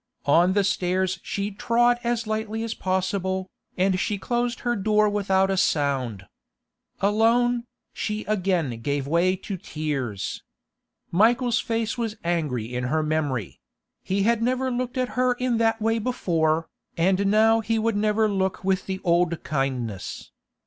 On the stairs she trod as lightly as possible, and she closed her door without a sound. Alone, she again gave way to tears. Michael's face was angry in her memory; he had never looked at her in that way before, and now he would never look with the old kindness.